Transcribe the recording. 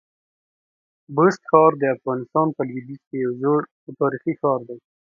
بست ښار د افغانستان په لودیځ کي یو زوړ او تاریخي ښار دی.